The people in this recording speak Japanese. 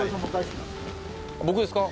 僕ですか？